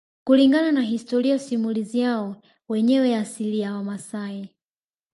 Kulingana na historia simulizi yao wenyewe asili ya Wamasai